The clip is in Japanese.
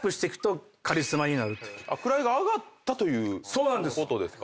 位が上がったということですか？